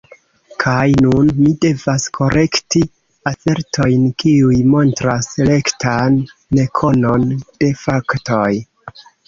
Kaj nun mi devas korekti asertojn, kiuj montras rektan nekonon de faktoj.